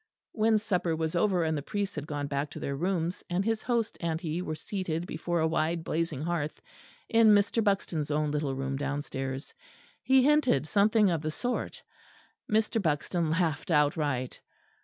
When supper was over, and the priests had gone back to their rooms, and his host and he were seated before a wide blazing hearth in Mr. Buxton's own little room downstairs, he hinted something of the sort. Mr. Buxton laughed outright.